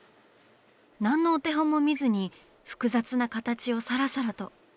何のお手本も見ずに複雑な形をサラサラと。